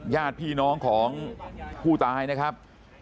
ญาติพี่น้องของผู้ตายนะครับ